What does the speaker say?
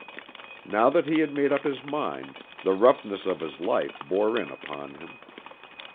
Now that he had made up his mind, the roughness of his life bore in upon him.